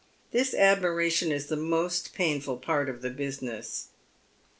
This admiration is the most painful part of the business.